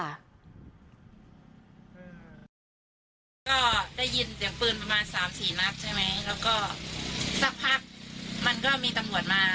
ก็ได้ยินเสียงปืนประมาณ๓๔นับใช่ไหม